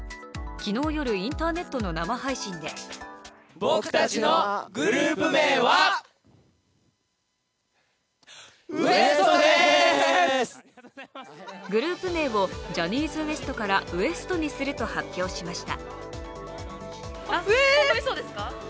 昨日夜、インターネットの生配信でグループ名をジャニーズＷＥＳＴからＷＥＳＴ．にすると発表しました。